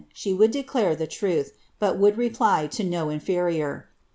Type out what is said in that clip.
SS ibe would declare the truth, but would reply to no inferior.